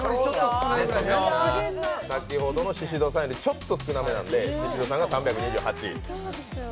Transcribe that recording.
先ほどの宍戸さんよりちょっと少なめなので宍戸さんが３２８。